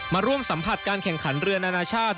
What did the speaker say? มาร่วมสัมผัสการแข่งขันเรือนานาชาติ